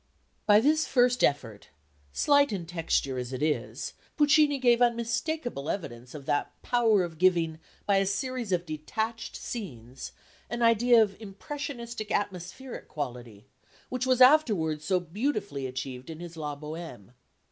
By this first effort, slight in texture as it is, Puccini gave unmistakable evidence of that power of giving, by a series of detached scenes, an idea of impressionistic atmospheric quality which was afterwards so beautifully achieved in his La Bohème.